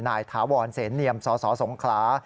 นายถาวรเสนเนียมสอสสงคลา